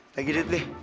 bagi duit deh